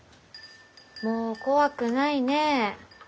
もう怖くないね。